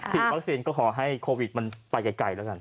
ฉีดวัคซีนก็ขอให้โควิดมันไปไกลแล้วกัน